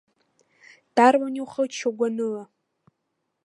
Дарбан иухыччо гәаныла?